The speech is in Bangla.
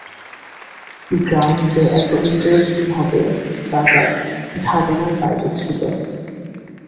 গ্রাম যে এত ইন্টারেস্টিং হবে, তা তার ধারণার বাইরে ছিল।